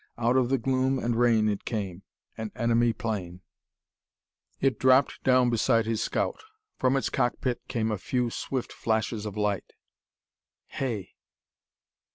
Out of the gloom and rain it came an enemy plane. It dropped down beside his scout. From its cockpit came a few swift flashes of light. Hay!